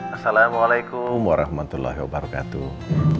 assalamualaikum warahmatullahi wabarakatuh